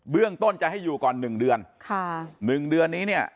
เบื้องต้นจะให้อยู่ก่อน๑เดือน๑เดือนนี้เนี่ย